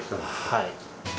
はい。